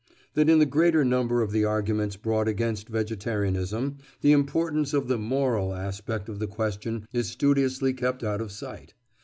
That in the greater number of the arguments brought against vegetarianism, the importance of the moral aspect of the question is studiously kept out of sight.